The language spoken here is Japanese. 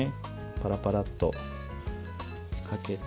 パラパラッとかけて。